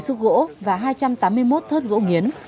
ba mươi xúc gỗ và hai trăm tám mươi một thớt gỗ nghiến